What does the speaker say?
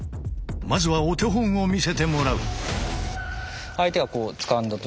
まずはお手本を見せてもらう。